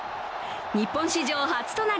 日本史上初のとなる